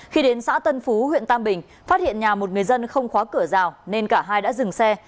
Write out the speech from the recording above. khi đến xã tân phú huyện tam bình phát hiện nhà một người dân không khóa cửa rào nên cả hai đã dừng xe